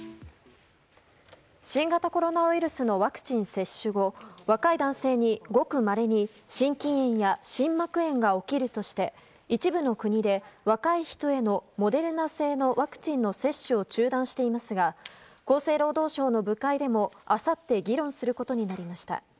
新型コロナウイルスのワクチン接種後、若い男性にごくまれに心筋炎や心膜炎が起きるとして一部の国で若い人へのモデルナ製のワクチンの接種を中断していますが厚生労働省の部会でもあさって議論することになりました。